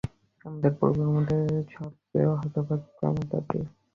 আমাদের পরিবারের মধ্যে সব চেয়ে হতভাগ্য আমার দাদা।